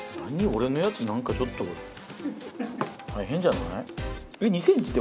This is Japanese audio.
俺のやつなんかちょっと変じゃない？